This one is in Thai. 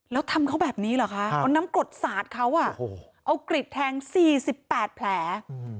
แล้วทำเขาแบบนี้เหรอคะเอาน้ำกรดสาดเขาอ่ะโอ้โหเอากรีดแทงสี่สิบแปดแผล